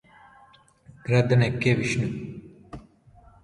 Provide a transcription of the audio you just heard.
గ్రద్దనెక్కె Vishnu